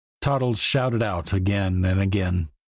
Toddles shouted out again and again.